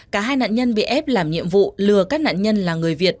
cả hai nạn nhân bị ép làm nhiệm vụ lừa các nạn nhân là người việt